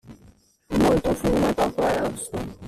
Molto fumo e poco arrosto.